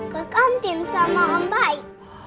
ke kantin sama om baik